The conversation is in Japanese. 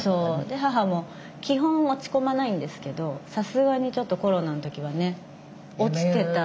で母も基本落ち込まないんですけどさすがにちょっとコロナの時はね落ちてた。